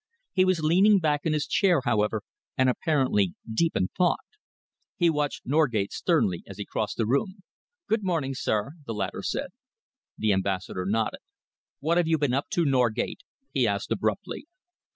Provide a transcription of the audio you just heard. He was leaning back in his chair, however, and apparently deep in thought. He watched Norgate sternly as he crossed the room. "Good morning, sir," the latter said. The Ambassador nodded. "What have you been up to, Norgate?" he asked abruptly.